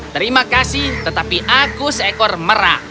terima kasih tetapi aku seekor merah